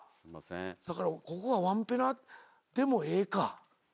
だからここはワンペナでもええか。